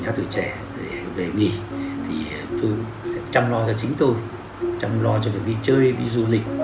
nhá tuổi trẻ về nghỉ thì tôi sẽ chăm lo cho chính tôi chăm lo cho được đi chơi đi du lịch